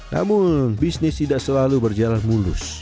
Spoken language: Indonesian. namun bisnis tidak selalu berjalan mulus